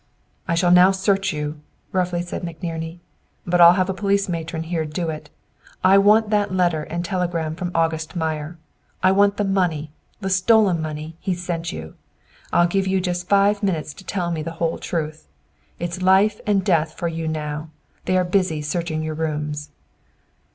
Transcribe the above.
"I shall now search you," roughly said McNerney, "but I'll have a police matron here to do it. I want that letter and telegram from August Meyer! I want the money the stolen money he sent you. I'll give you just five minutes to tell me the whole truth. It's life and death for you now. They are busy searching your rooms."